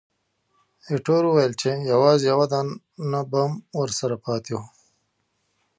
ایټور وویل چې، یوازې یو دانه بم ورسره پاتې وو.